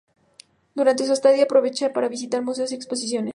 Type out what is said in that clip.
Durante su estadía aprovecha para visitar museos y exposiciones.